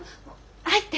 入って。